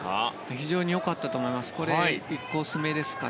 非常に良かったと思います。